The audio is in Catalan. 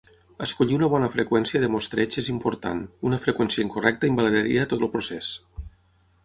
Escollir una bona freqüència de mostreig és important, una freqüència incorrecta invalidaria tot el procés.